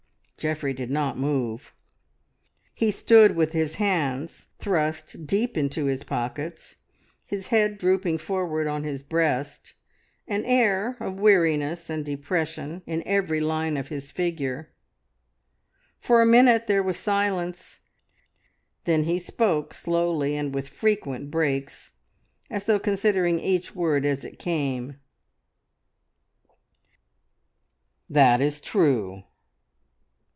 Geoffrey did not move. He stood with his hands thrust deep into his pockets, his head drooping forward on his breast, an air of weariness and depression in every line of his figure. For a minute there was silence, then he spoke, slowly, and with frequent breaks, as though considering each word as it came "That is true.